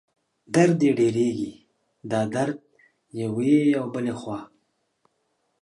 درد یې ډېرېږي، دا درد یوې او بلې خوا